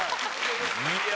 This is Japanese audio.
いや。